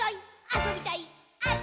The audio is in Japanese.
あそびたいっ！！」